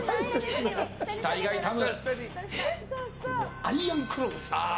額が痛む。